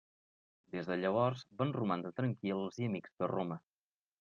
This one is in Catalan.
Des de llavors, van romandre tranquils i amics de Roma.